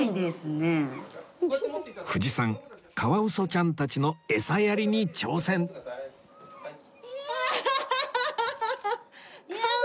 藤さんカワウソちゃんたちのエサやりに挑戦ああ！